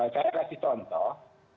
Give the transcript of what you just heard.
saya kasih contoh